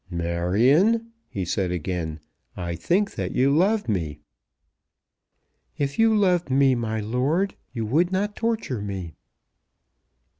"Marion," he said again, "I think that you love me." "If you loved me, my lord, you would not torture me."